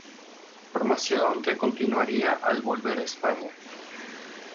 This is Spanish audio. Formación que continuaría al volver a España.